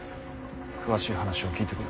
詳しい話を聞いてくる。